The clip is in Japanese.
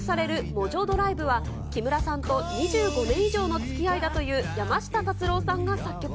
モジョドライブは木村さんと２５年以上のつきあいだという山下達郎さんが作曲。